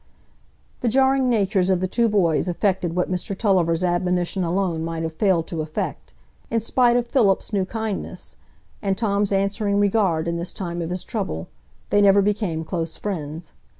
The jarring natures of the two boys effected what Mr Tulliver's admonition alone might have failed to effect; in spite of Philip's new kindness, and Tom's answering regard in this time of his trouble, they never became close friends.